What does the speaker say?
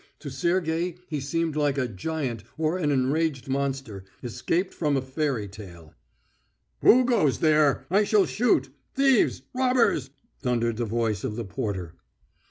To Sergey he seemed like a giant or an enraged monster, escaped from a fairy tale. "Who goes there? I shall shoot. Thieves! Robbers!" thundered the voice of the porter.